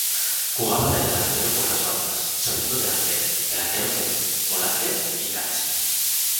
Jugaba de delantero por las bandas, segundo delantero, delantero centro, volante y enganche.